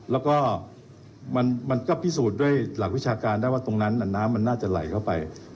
แล้วก็มันก็พิสูจน์ด้วยหลักวิชาการได้ว่าตรงนั้นน้ำมันน่าจะไหลเข้าไป